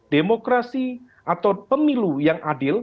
demokrasi atau pemilu yang adil